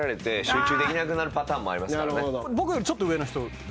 僕よりちょっと上の人います。